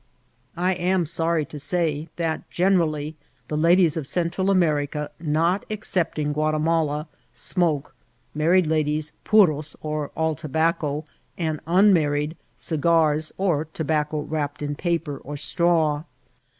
I am sorry to say that generally the ladies of Central America, not excepting Guatimala, smoke, married ladies puros, or all tobacco, and unmarried cigars, or tobacco wrapped in paper or straw.